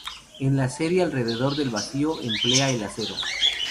En la serie "Alrededor del vacío", emplea el acero.